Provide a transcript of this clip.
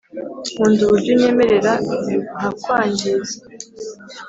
nkunda uburyo unyemerera nkakwangiza